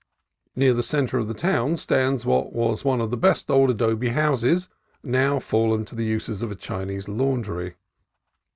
Near the centre of the town stands what was one of the best of the old adobe houses, now fallen to the uses of a Chinese laundry.